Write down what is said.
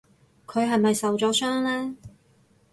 佢係咪受咗傷呢？